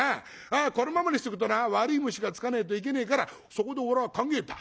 このままにしとくとな悪い虫がつかねえといけねえからそこで俺は考えた。